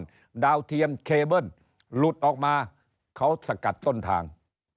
การนำย้อนดาวเทียมเคเบิลหลุดออกมาเขาสกัดต้นทาง